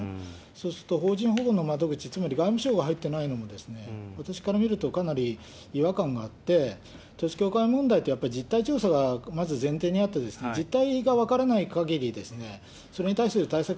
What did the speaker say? そうすると邦人保護の窓口、つまり外務省が入ってないのも、私から見るとかなり違和感があって、統一教会問題ってやっぱり実態調査がまず前提にあって、実態が分からないかぎり、それに対する対策